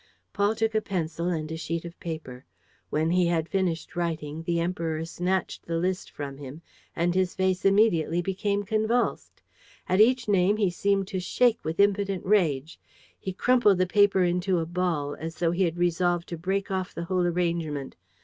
Paul took a pencil and a sheet of paper. When he had finished writing, the Emperor snatched the list from him and his face immediately became convulsed. At each name he seemed to shake with impotent rage. He crumpled the paper into a ball, as though he had resolved to break off the whole arrangement.